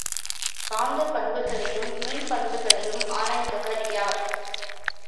காந்தப் பண்புகளையும் மின் பண்புகளையும் ஆராய்ந்தவர் யார்?